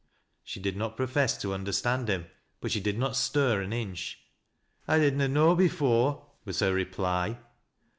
She did not profess not to understand him, but she did not stir an inch. " I did na know before," was her reply.